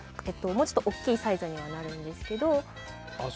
もうちょっと大きいサイズにはなるんですけどあっ